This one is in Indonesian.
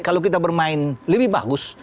kalau kita bermain lebih bagus